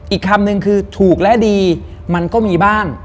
อีกคำนึงคือถูกและดีมันก็มีบ้าง